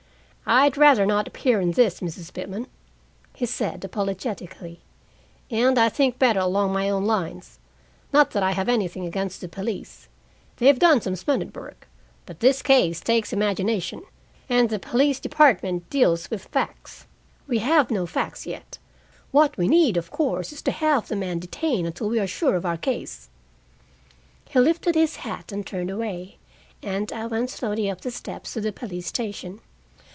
"I'd rather not appear in this, Mrs. Pitman," he said apologetically, "and I think better along my own lines. Not that I have anything against the police; they've done some splendid work. But this case takes imagination, and the police department deals with facts. We have no facts yet. What we need, of course, is to have the man detained until we are sure of our case." He lifted his hat and turned away, and I went slowly up the steps to the police station.